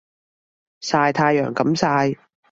曬太陽咁曬